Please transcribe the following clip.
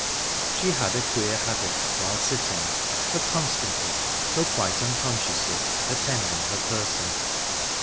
She had a queer habit, while sitting, of constantly, though quite unconsciously, attending her person.